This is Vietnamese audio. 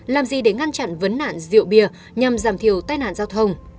làm gì để ngăn chặn vấn nạn rượu bia nhằm giảm thiểu tai nạn giao thông